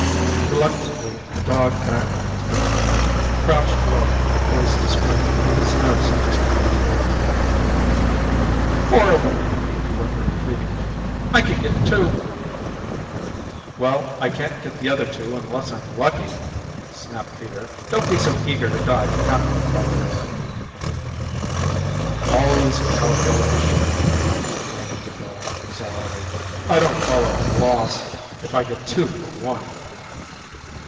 Reluctantly the dog backed into the room. He crouched low, poised to spring, with his nose just beyond the doorframe. "Four of 'em," he whimpered pleadingly. "I can get two " "Well, I can't get the other two unless I'm lucky," snapped Peter. "Don't be so eager to die for nothing, Buregarde." "All this calculation," grumbled the dog sourly. "I don't call it a loss if I get two for one."